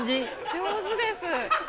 上手です。